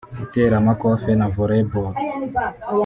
iteramakofe na volleyball